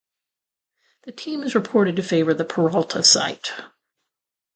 The team is reported to favor the Peralta site.